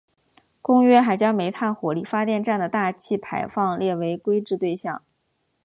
公约还将煤炭火力发电站的大气排放列为规制对象。